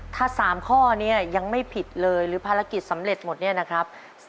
ถ้า๓ข้อนี้ยังไม่ผิดเลยหรือภารกิจสำเร็จหมดเนี่ยนะครับ